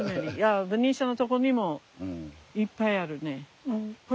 ベニシアのとこにもいっぱいあるね。